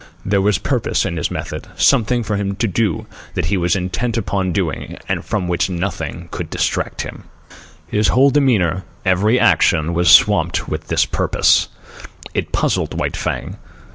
There was purpose in his method—something for him to do that he was intent upon doing and from which nothing could distract him. His whole demeanour, every action, was stamped with this purpose. It puzzled White Fang.